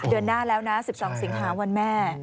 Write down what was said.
เดือนหน้าแล้วนะ๑๒สิงหาวันแม่